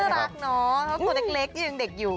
รักเนาะเพราะตัวเล็กยังเด็กอยู่